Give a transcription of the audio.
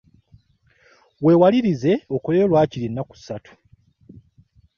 Weewalirize okoleyo waakiri ennaku ssatu.